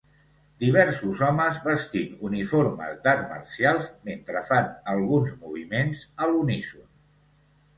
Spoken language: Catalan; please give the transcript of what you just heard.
Diversos homes vestint uniformes d'arts marcials mentre fan alguns moviments a l'uníson